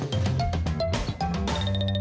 โปรดติดตามตอนต่อไป